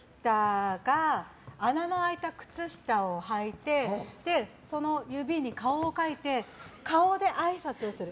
穴の開いた靴下をはいてその指に顔を描いて顔であいさつをする。